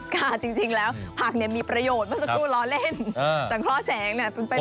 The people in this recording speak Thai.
ค่ะจริงแล้วผักมีประโยชน์เพราะสักครู่ร้อนเล่นสังเคราะห์แสงเป็นไปไม่ได้